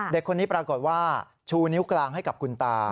เด็กคนนี้ปรากฏว่าชูนิ้วกลางให้กับคุณตา